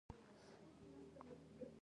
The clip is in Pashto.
افغانستان د غنمو کور دی.